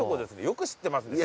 よく知ってますね。